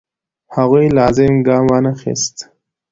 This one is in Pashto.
هغوی لازم ګام وانخیست.